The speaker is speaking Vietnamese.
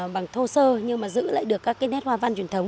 bằng thô sơ nhưng mà giữ lại được các cái nét hoa văn truyền thống